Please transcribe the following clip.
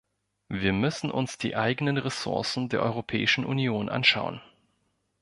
Wir müssen uns die eigenen Ressourcen der Europäischen Union anschauen.